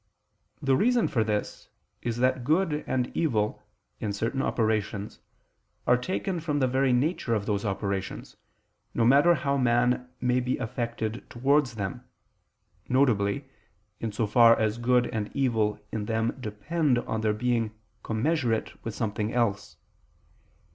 The reason for this is that good and evil, in certain operations, are taken from the very nature of those operations, no matter how man may be affected towards them: viz. in so far as good and evil in them depend on their being commensurate with someone else.